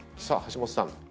さあ橋本さん